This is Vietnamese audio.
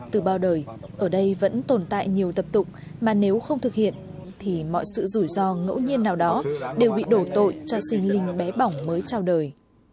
từ bao đời ở đây vẫn tồn tại nhiều tập tục mà nếu không thực hiện thì mọi sự rủi ro ngẫu nhiên nào đó đều bị đổ tội cho sinh linh bé bỏng mới trao đời